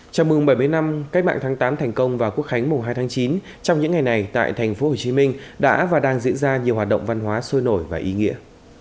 chào mừng bảy mươi năm cách mạng tháng tám thành công và quốc khánh mùng hai tháng chín trong những ngày này tại tp hcm đã và đang diễn ra nhiều hoạt động văn hóa sôi nổi và ý nghĩa